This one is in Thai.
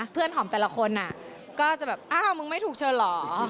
เพื่อนหอมแต่ละคนก็จะแบบอ้าวมึงไม่ถูกเชิญเหรอ